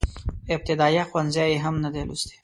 ابتدائيه ښوونځی يې هم نه دی لوستی.